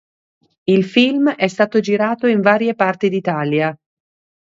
Il film è stato girato in varie parti d'Italia.